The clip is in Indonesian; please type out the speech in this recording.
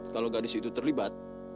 kalau gadis itu terlibat